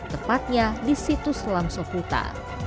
tepatnya di situs selam soputa